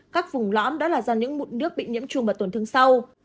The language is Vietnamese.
các vùng lõm đó là do những mụn nước bị nhiễm trùng và tổn thương sâu